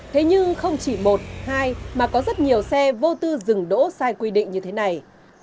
thế nhưng không chỉ một hai mà có rất nhiều xe vô tư dừng đỗ sai quy định như thế này